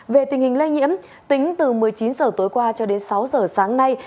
về tình hình lây nhiễm tính từ một mươi chín h tối qua cho đến sáu giờ sáng nay